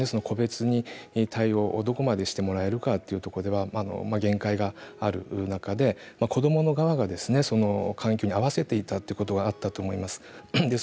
個別に対応をどこまでしてもらえるかというところでは限界がある中で子どもの側が環境に合わせていたということがあったと思います。